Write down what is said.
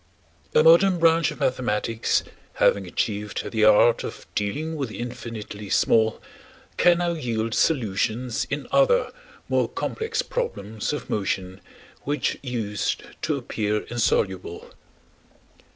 A modern branch of mathematics having achieved the art of dealing with the infinitely small can now yield solutions in other more complex problems of motion which used to appear insoluble.